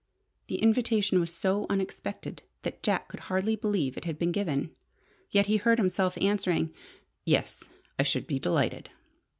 The invitation was so unexpected that Jack could hardly believe it had been given. Yet he heard himself answering, "Yes, I should be delighted."